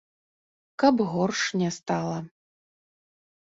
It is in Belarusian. Каб горш не стала.